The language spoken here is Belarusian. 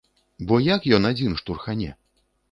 Бо як ён адзін штурхане?